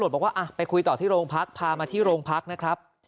บอกว่าไปคุยต่อที่โรงพักพามาที่โรงพักนะครับ